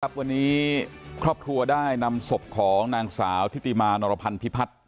วันนี้ครอบครัวได้นำศพของนางสาวทิติมานรพันธิพัฒน์